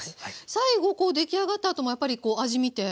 最後出来上がったあともやっぱり味みて塩足したり？